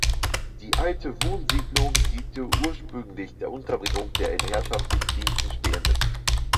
Die alte Wohnsiedlung diente ursprünglich der Unterbringung der in herrschaftlichen Diensten Stehenden.